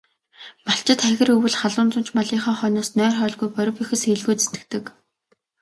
Малчид хахир өвөл, халуун зун ч малынхаа хойноос нойр, хоолгүй борви бохисхийлгүй зүтгэдэг.